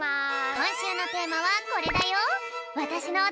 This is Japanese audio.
こんしゅうのテーマはこれだよ。